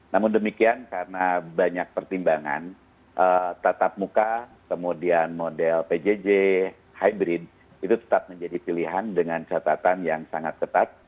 namun demikian karena banyak pertimbangan tatap muka kemudian model pjj hybrid itu tetap menjadi pilihan dengan catatan yang sangat ketat